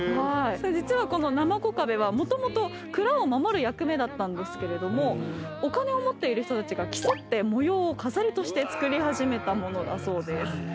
実はこのなまこ壁はもともと蔵を守る役目だったんですけれどもお金を持っている人たちが競って模様を飾りとして造り始めたものだそうです。